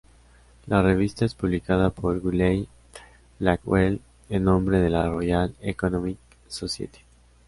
La revista es publicada por Wiley-Blackwell en nombre de la Royal Economic Society.